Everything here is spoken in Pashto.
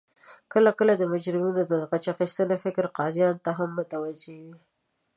کله کله د مجرمینو د غچ اخستنې فکر قاضیانو ته هم متوجه وي